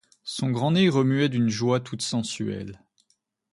Son grand nez remuait d'une joie toute sensuelle.